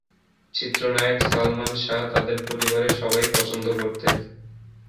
চিত্রনায়ক সালমান শাহ তাদের পরিবারের সবাই পছন্দ করতেন।